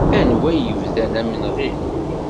Anwa ay d-yebdan imenɣi?